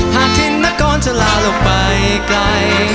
หากทิ้งมาก่อนจะลาลงไปไกล